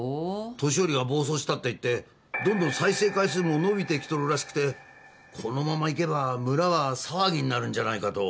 年寄りが暴走したっていってどんどん再生回数も伸びてきとるらしくてこのままいけば村は騒ぎになるんじゃないかと。